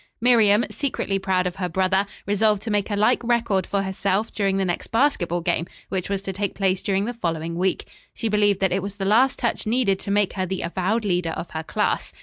Miriam, secretly proud of her brother, resolved to make a like record for herself during the next basketball game, which was to take place during the following week. She believed that it was the last touch needed to make her the avowed leader of her class.